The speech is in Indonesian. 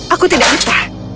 aku tidak minta